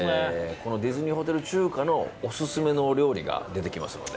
このディズニーホテル中華のオススメのお料理が出てきますので。